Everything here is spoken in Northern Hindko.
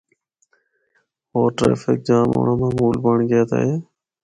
ہور ٹریفک جام ہونڑا معمول بنڑ گیا دا ہے۔